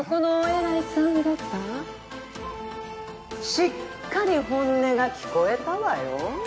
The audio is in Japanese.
しっかり本音が聞こえたわよ。